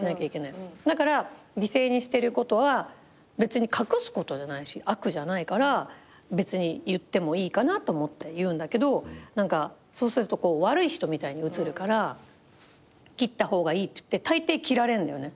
だから犠牲にしてることは別に隠すことじゃないし悪じゃないから別に言ってもいいかなと思って言うんだけどそうすると悪い人みたいに映るから切った方がいいって言ってたいてい切られるんだよね。